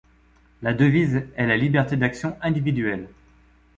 La devise est la liberté d'action individuelle.